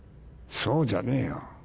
そうじゃねえよ。